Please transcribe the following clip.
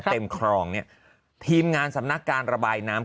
คลองเนี่ยทีมงานสำนักการระบายน้ำ